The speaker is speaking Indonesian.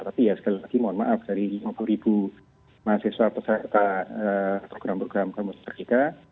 tapi sekali lagi mohon maaf dari lima puluh ribu mahasiswa peserta program program kamus serjika